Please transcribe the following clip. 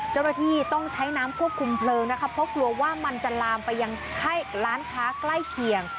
เจ้าหน้าที่ต้องใช้น้ำควบคุมเพลิงนะคะเพราะกลัวว่ามันจะลามไปยังร้านค้าใกล้เคียง